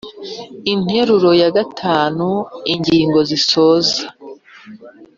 interuro ya v ingingo zisoza